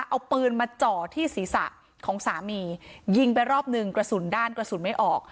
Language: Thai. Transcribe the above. เอาปืนมาจ่อที่ศีรษะของสามียิงไปรอบหนึ่งกระสุนด้านกระสุนไม่ออก